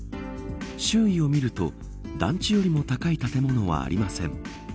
周囲を見ると団地よりも高い建物はありません。